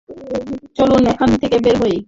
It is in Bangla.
চলুন এখান থেকে বের হই?